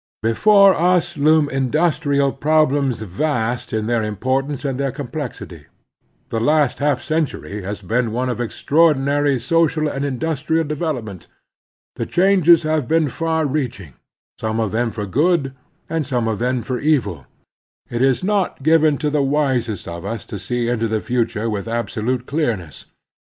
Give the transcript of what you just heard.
Before us loom industrial problems vast in their importance and their complexity. The last half centiuy has been one of extraordinary social and industrial development. The changes have been far reaching; some of them for good, and some of them for evil. It is not given to the wisest of us to see into the future with absolute clearness.